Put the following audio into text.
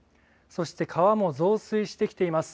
そして川も増水してきています。